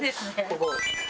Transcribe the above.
ここ。